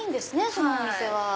そのお店は。